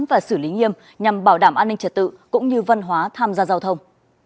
và xử lý nghiêm nhằm bảo đảm an ninh trật tự cũng như văn hóa tham gia giao thông